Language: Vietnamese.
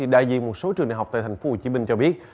đại diện một số trường đại học tại tp hcm cho biết